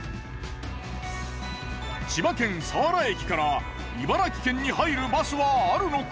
千葉県佐原駅から茨城県に入るバスはあるのか？